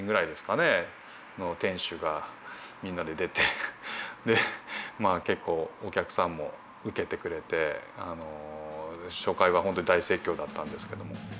店主がみんなで出て結構お客さんもウケてくれて初回は本当に大盛況だったんですけども。